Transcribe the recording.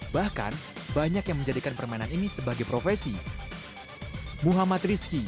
bahkan banyak yang menjadikan permainan ini sebagai profesi